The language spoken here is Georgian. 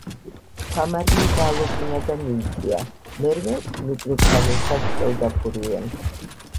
ქვამარილი გაალოკვინა და მიიჩვია. მერმე ნუკრებთან ერთად სწოვდა ფურირემს.